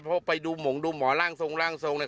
พวกไปดูหมงดูหมอร่างทรงเลย